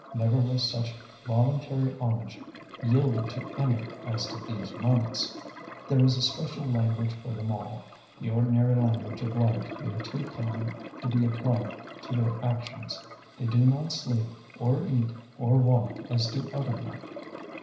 Never was such voluntary homage yielded to any as to these monks. There is a special language for them, the ordinary language of life being too common to be applied to their actions. They do not sleep or eat or walk as do other men.